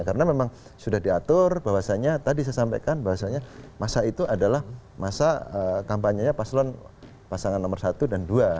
karena memang sudah diatur bahwasanya tadi saya sampaikan bahwasanya masa itu adalah masa kampanye nya pasalan pasangan nomor satu dan dua